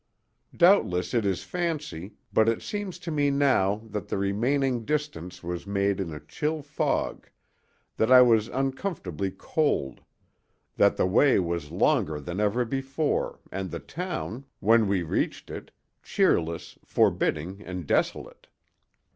Doubtless it is fancy, but it seems to me now that the remaining distance was made in a chill fog; that I was uncomfortably cold; that the way was longer than ever before, and the town, when we reached it, cheerless, forbidding, and desolate.